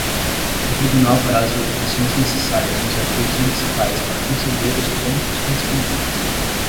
O tribunal fará as verificações necessárias nos arquivos municipais para conceder os pontos correspondentes.